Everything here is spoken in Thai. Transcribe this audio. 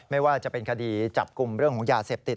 ไม่ว่าจะเป็นคดีจับกลุ่มเรื่องของยาเสพติด